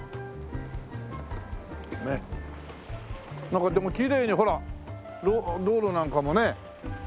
なんかでもきれいにほら道路なんかもね。